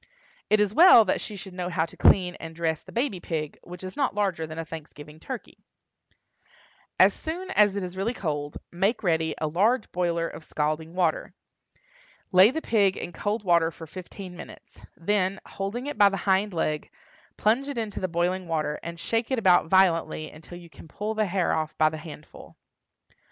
It is well that she should know how to clean and dress the baby pig, which is not larger than a Thanksgiving turkey. As soon as it is really cold, make ready a large boiler of scalding water. Lay the pig in cold water for fifteen minutes; then, holding it by the hind leg, plunge it into the boiling water, and shake it about violently until you can pull the hair off by the handful.